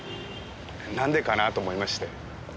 なんでかなぁと思いまして。